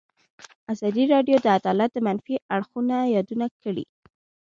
ازادي راډیو د عدالت د منفي اړخونو یادونه کړې.